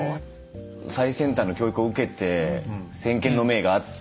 最先端の教育を受けて先見の明があって。